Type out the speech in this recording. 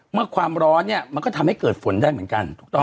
เมื่อความร้อนมันก็ทำให้เกิดฝนได้เหมือนกัน